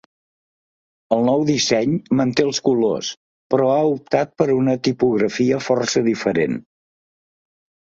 El nou disseny manté els colors, però ha optat per una tipografia força diferent.